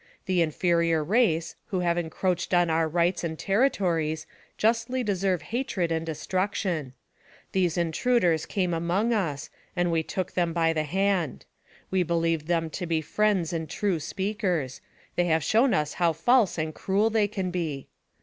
The inferior race, who have encroached on our rights and terri tories, justly deserve hatred and destruction. These intruders came among us, and we took them by the hand. We believed them to be friends and true speakers; they have shown us how false and cruel they can be.